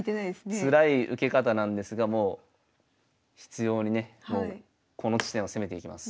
つらい受け方なんですがもう執ようにねこの地点を攻めていきます。